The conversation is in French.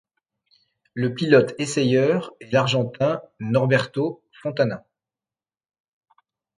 Le pilote essayeur est l'Argentin Norberto Fontana.